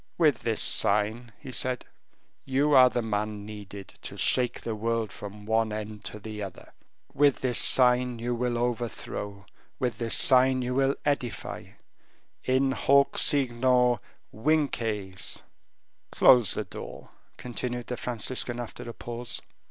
"With this sign," he said, "you are the man needed to shake the world from one end to the other; with this sign you will overthrow; with this sign you will edify; in hoc signo vinces!" "Close the door," continued the Franciscan after a pause.